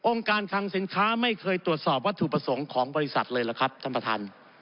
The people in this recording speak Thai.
การคังสินค้าไม่เคยตรวจสอบวัตถุประสงค์ของบริษัทเลยหรือครับท่านประธาน